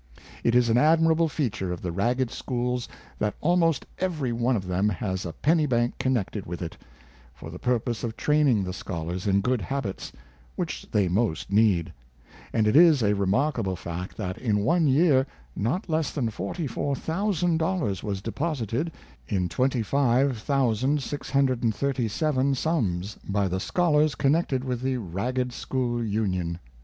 It is an ad' mirable feature of the ragged schools that almost every one of them has a penny bank connected with it, for the purpose of training the scholars in good habits, which they most need; and it is a remarkable fact that in one year not less than $44,000 was deposited, in 25,637 sums, by the scholars connected with the Ragged school Union.